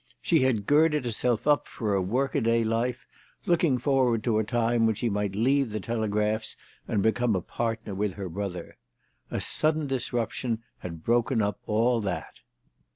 She had girded herself up for a work a day life, looking forward to a time when she might leave the telegraphs and become a partner with her brother. A sudden disruption had broken up all that.